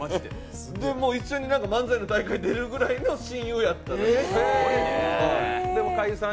一緒に漫才の大会に出るぐらいの親友やったんです。